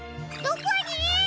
どこに？